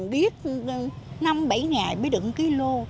biết năm bảy ngày mới đựng kg